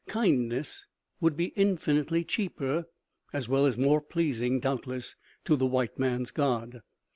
Kindness would be infinitely cheaper, as well as more pleasing, doubtless, to the white man's God!